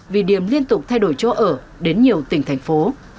vì điểm liên tục thay đổi chỗ ở đến nhiều tỉnh thành phố